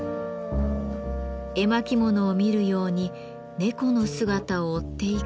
絵巻物を見るように猫の姿を追っていくと。